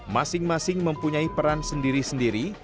masing masing mempunyai peran sendiri sendiri